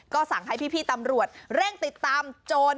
ก็สั่งให้พี่ตำรวจเร่งติดตามโจร